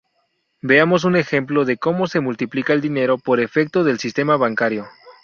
Veamos un ejemplo de como se multiplica el dinero por efecto del sistema bancario.